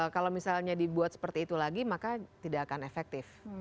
kalau misalnya dibuat seperti itu lagi maka tidak akan efektif